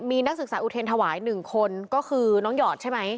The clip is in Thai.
มีนักศึกษาอุเทรนธวาย๑คนก็คือน้องหยอดใช่ไหม